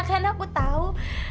kan aku tahu